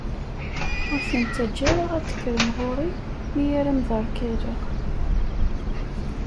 Ur ten-ttaǧǧa ara ad d-kkren ɣur-i, mi ara mderkaleɣ!